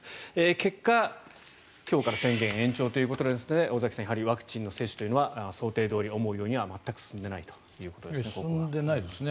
結果、今日から宣言延長ということで尾崎さんやはりワクチンの接種は想定どおり思うようには全く進んでいないということですね。